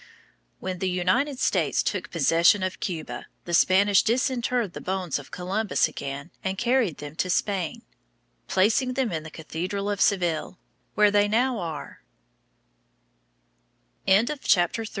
When the United States took possession of Cuba, the Spanish disinterred the bones of Columbus again and carried them to Spain, placing them in the cathedral of Seville, where they